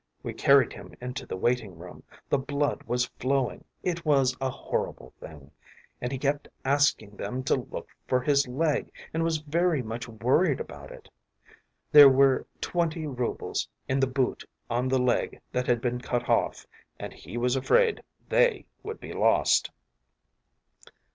We carried him into the waiting room, the blood was flowing it was a horrible thing and he kept asking them to look for his leg and was very much worried about it; there were twenty roubles in the boot on the leg that had been cut off, and he was afraid they would be lost.